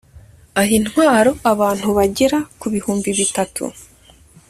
aha intwaro abantu bagera ku bihumbi bitatu